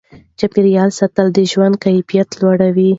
چاپیریال ساتل د ژوند کیفیت لوړوي.